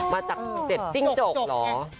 มาจาก๗จิ้งจกเหรอ